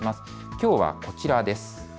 きょうはこちらです。